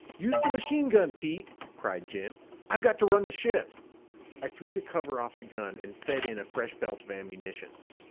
"Use the machine gun, Pete!" cried Jim. "I've got to run the ship." I threw the cover off the gun and fed in a fresh belt of ammunition.